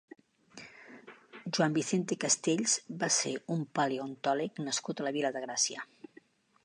Joan Vicente Castells va ser un paleontòleg nascut a la Vila de Gràcia.